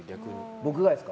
僕がですか？